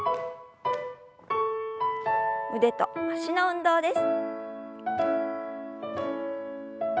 腕と脚の運動です。